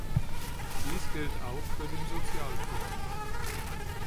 Dies gilt auch für den Sozialfonds.